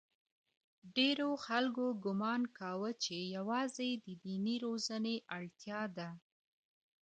ډېرو خلکو ګومان کاوه چې یوازې د دیني روزنې اړتیا ده.